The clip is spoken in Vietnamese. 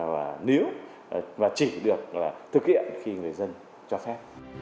và chỉ được thực hiện khi người dân cho phép